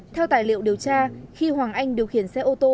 theo tài liệu điều tra khi hoàng anh điều khiển xe ô tô